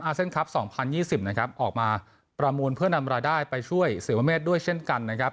อาร์เซ็นทรัพย์สองพันยี่สิบนะครับออกมาประมูลเพื่อนอำราได้ไปช่วยเสียวเมฆด้วยเช่นกันนะครับ